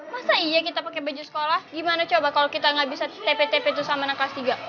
masa iya kita pake baju sekolah gimana coba kalo kita gak bisa tipe tipe tuh sama anak kelas tiga